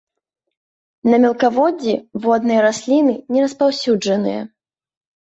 На мелкаводдзі водныя расліны не распаўсюджаныя.